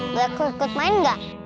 boleh aku ikut main gak